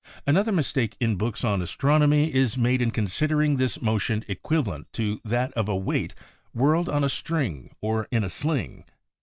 Another mistake in books on astron omy is made in considering this motion equivalent to that of a weight whirled on a string or in a sling.